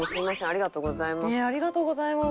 ありがとうございます。